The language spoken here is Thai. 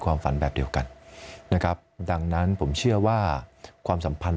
ความฝันแบบเดียวกันนะครับดังนั้นผมเชื่อว่าความสัมพันธ์